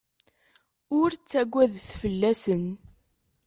Ur ttaggadet fell-asen.